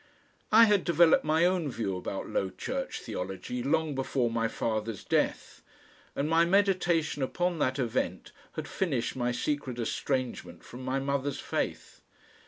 I had developed my own view about low Church theology long before my father's death, and my meditation upon that event had finished my secret estrangement from my mother's faith.